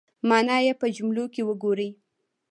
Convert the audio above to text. مانا یې په جملو کې وګورئ